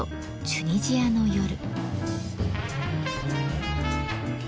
「チュニジアの夜」。